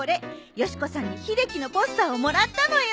よし子さんに秀樹のポスターをもらったのよ。